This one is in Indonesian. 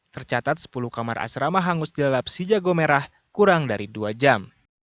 tercatat sepuluh kamar asrama hangus dilalap si jago merah kurang dari dua jam